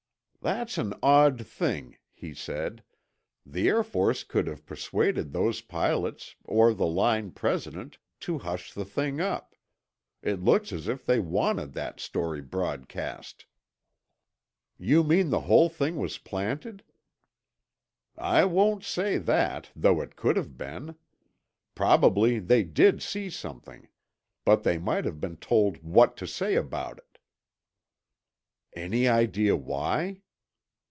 "That's an odd thing," he said. "The Air Force could have persuaded those pilots—or the line president—to hush the thing up. It looks as if they wanted that story broadcast." "You mean the whole thing was planted?" "I won't say that, though it could have been. Probably they did see something. But they might have been told what to say about it." "Any idea why?"